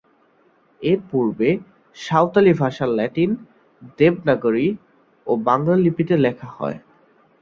এর পূর্বে, সাঁওতালি ভাষা ল্যাটিন, দেবনাগরী ও বাংলা লিপিতে লেখা হত।